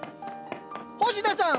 星田さん